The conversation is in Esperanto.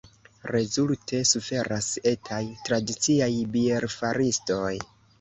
Rezulte suferas etaj, tradiciaj bierfaristoj.